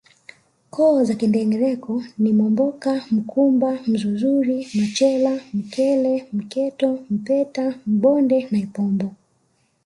Koo za Kindengereko ni Momboka Mkumba Mzuzuri Machela Mkele Mketo Mpeta Mbonde na Ipombo